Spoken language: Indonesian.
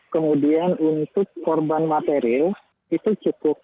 kemudian untuk korban material itu cukup